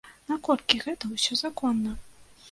Наколькі гэта ўсё законна?